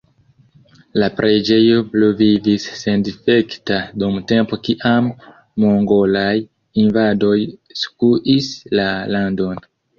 La preĝejo pluvivis sendifekta dum tempo kiam mongolaj invadoj skuis la landon.